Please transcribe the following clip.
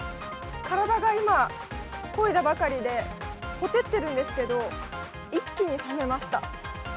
体が今、こいだばかりでほてってるんですけど、一気に冷めました。